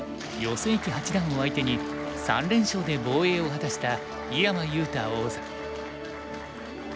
正麒八段を相手に３連勝で防衛を果たした井山裕太王座。